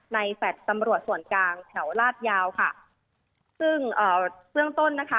แฟลต์ตำรวจส่วนกลางแถวลาดยาวค่ะซึ่งเอ่อเบื้องต้นนะคะ